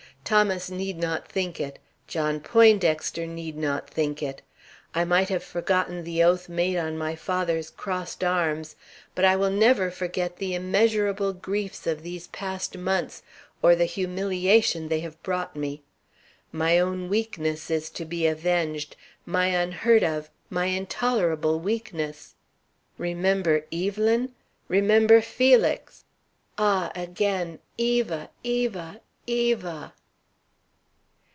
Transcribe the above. Thomas need not think it. John Poindexter need not think it! I might have forgotten the oath made on my father's crossed arms, but I will never forget the immeasurable griefs of these past months or the humiliation they have brought me. My own weakness is to be avenged my unheard of, my intolerable weakness. Remember Evelyn? Remember Felix! Ah, again! Eva! Eva! Eva!"